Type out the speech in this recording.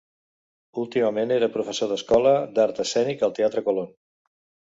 Últimament era professor de l'escola d'Art Escènic del teatre Colón.